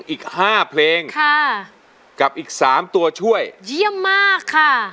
อีก๕เพลงค่ะกับอีก๓ตัวช่วยเยี่ยมมากค่ะ